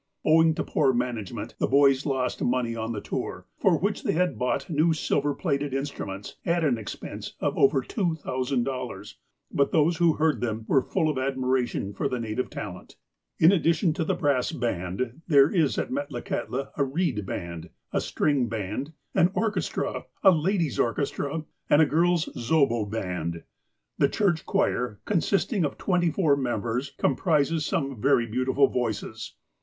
Owing to poor manage ment, the boys lost money on the tour, for which they had bought new silver plated instruments, at an expense of over 12,000. But those who heard them were full of admiration for the native talent. In addition to the brass band, there is at Metlakahtla a reed band, a string band, an orchestra, a ladies' orchestra, and a girls' zobo band. The church choir, consisting of twenty four members, comprises some very beautiful voices.